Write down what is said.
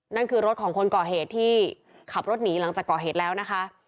นั่นคือรถของคนก่อเหตุที่ขับรถหนีหลังจากก่อเหตุแล้วนะคะ